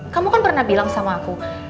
kamu kan pernah bilang sama aku